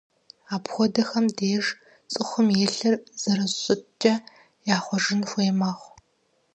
Апхуэдэхэм деж цӏыхум и лъыр зэрыщыткӏэ яхъуэжын хуей мэхъу.